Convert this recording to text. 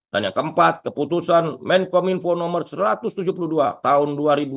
dan yang keempat keputusan menkominfo nomor satu ratus tujuh puluh dua tahun dua ribu dua puluh empat